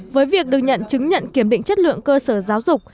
với việc được nhận chứng nhận kiểm định chất lượng cơ sở giáo dục